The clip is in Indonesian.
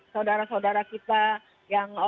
saudara saudara kita yang